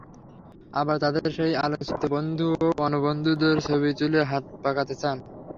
আবার তাঁদের সেই আলোকচিত্রী বন্ধুও অন্য বন্ধুদের ছবি তুলে হাত পাকাতে চান।